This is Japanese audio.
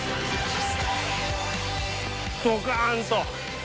どかんと！